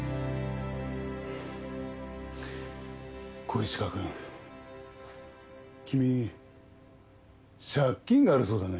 小石川くん君借金があるそうだね。